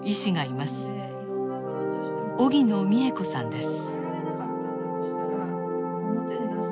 荻野美恵子さんです。